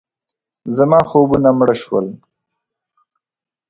زما خوبونه مړه شول.